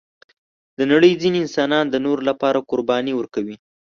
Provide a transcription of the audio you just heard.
د نړۍ ځینې انسانان د نورو لپاره قرباني ورکوي.